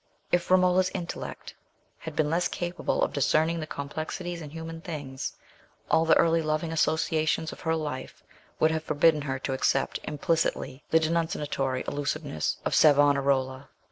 If Romola's intellect had been less capable of discerning the complexities in human things, all the early loving associations of her life would have forbidden her to accept implicitly the denunciatory exclusiveness of Savonarola.